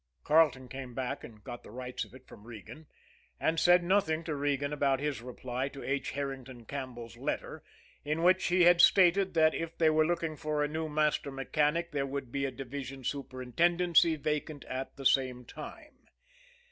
Carleton came back and got the rights of it from Regan and said nothing to Regan about his reply to H. Herrington Campbell's letter, in which he had stated that if they were looking for a new master mechanic there would be a division superintendency vacant at the same time.